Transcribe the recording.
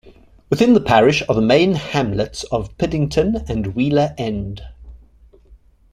Within the parish are the main hamlets of Piddington and Wheeler End.